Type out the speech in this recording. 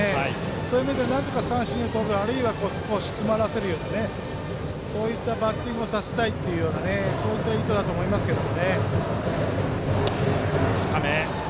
そういう意味ではなんとか三振をとるかあるいは詰まらせるというバッティングをさせたいそういった意図だと思いますけど。